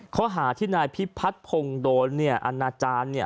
เขาหาที่นายพิพัฒน์พงศ์โดรณ์เนี่ย